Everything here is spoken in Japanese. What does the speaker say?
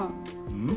うん？